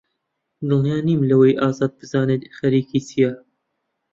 دڵنیا نیم لەوەی ئازاد بزانێت خەریکی چییە.